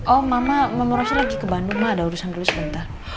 oh mama mama rosa lagi ke bandung ma ada urusan dulu sebentar